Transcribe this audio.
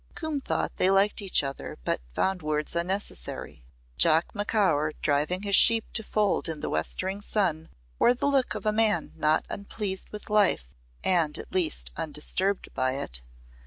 Coombe thought they liked each other but found words unnecessary. Jock Macaur driving his sheep to fold in the westering sun wore the look of a man not unpleased with life and at least undisturbed by it.